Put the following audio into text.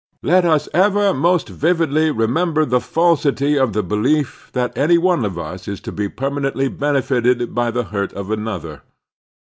Let us ever most vividly remember the falsity of the belief that any one of us is to be permanently benefited by the hurt of another.